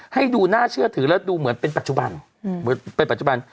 ให้ดูน่าเชื่อถือแล้วดูเหมือนเป็นปัจจุบัน